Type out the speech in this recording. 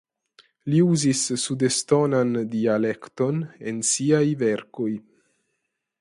Li uzis sudestonan dialekton en siaj verkoj.